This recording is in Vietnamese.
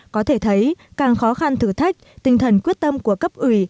có thể thấy càng khó khăn thử thách tinh thần quyết tâm của cấp ủy